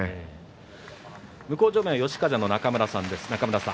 向正面は嘉風の中村さんです。